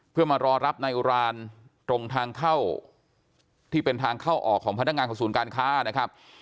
เพื่อมารอรับนายอุรานตรงทางเข้าที่เป็นทางเข้าออกของพนักงานของศูนย์การค้านะครับ